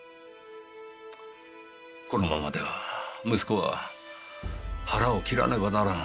このままでは息子は腹を切らねばならん。